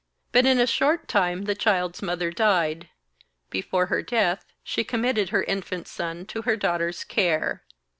But in a short time the child's mother died. Before her death, she committed her infant son to her daughter's care.